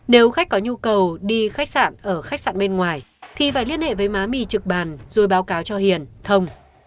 nếu khách có nhu cầu đi khách sạn ở khách sạn bên ngoài thì phải liên hệ với má mì trực bàn rồi báo cáo cho hiền thông